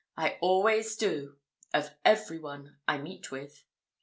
I always do, of every one I meet with."